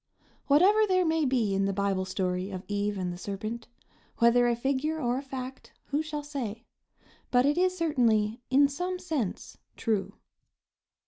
Whatever there may be in the Bible story of Eve and the serpent, whether a figure or a fact, who shall say? but it is certainly, in some sense, true.